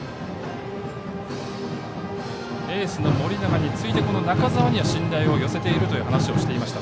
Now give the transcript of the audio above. エースの盛永に次いで中澤には信頼を寄せているという話をしていました。